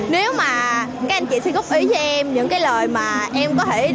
nếu mà các anh chị xin góp ý cho em những lời mà em có thể